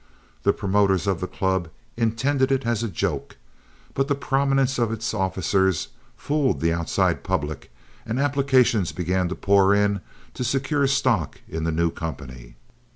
The promoters of the club intended it as a joke, but the prominence of its officers fooled the outside public, and applications began to pour in to secure stock in the new company.